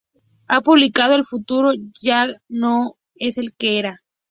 Ha publicado "El futuro ya no es el que" era.